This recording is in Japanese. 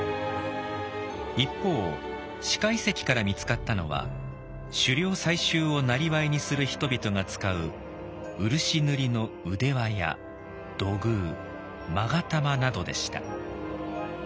一方四箇遺跡から見つかったのは狩猟採集を生業にする人々が使う漆塗りの腕輪や土偶勾玉などでした。